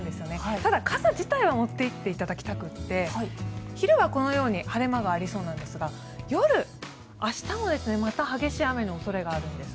ただ、傘自体は持っていっていただきたくて昼はこのように晴れ間がありそうなんですが夜、明日も激しい雨の恐れがあるんです。